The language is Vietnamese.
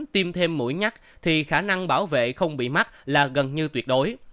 tiêm thêm mũi nhắc thì khả năng bảo vệ không bị mắc là gần như tuyệt đối